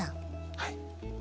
はい。